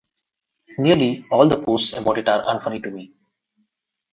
Nearly all the posts about it are unfunny to me.